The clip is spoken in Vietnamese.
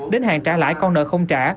đến hàng trả lãi con nợ không trả